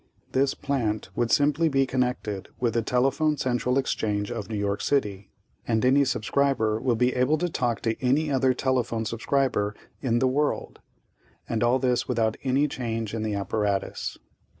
This plant would simply be connected with the telephone central exchange of New York City, and any subscriber will be able to talk to any other telephone subscriber in the world, and all this without any change in his apparatus.